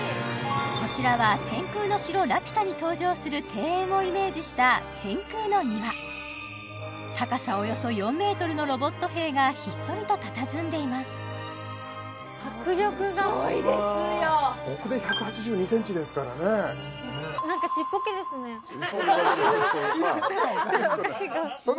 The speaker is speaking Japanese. こちらは「天空の城ラピュタ」に登場する庭園をイメージした天空の庭高さおよそ４ｍのロボット兵がひっそりとたたずんでいます迫力がすごいですよ僕で１８２ｃｍですからねちっぽけって何それ？